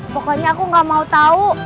pokoknya aku gak mau tahu